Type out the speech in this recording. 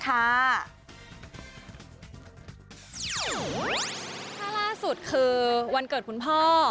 ถ้าล่าสุดคือวันเกิดคุณพ่อ